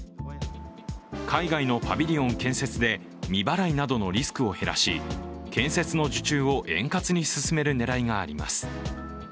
海外のパビリオン建設で未払いなどのリスクを減らし建設の受注を円滑に進める狙いがあります。